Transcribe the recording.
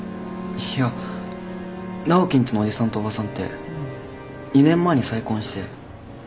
いや直樹んちのおじさんとおばさんって２年前に再婚して。